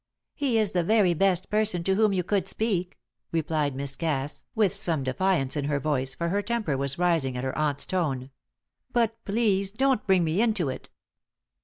"He is the very best person to whom you could speak," replied Miss Cass, with some defiance in her voice, for her temper was rising at her aunt's tone. "But please don't bring me into it."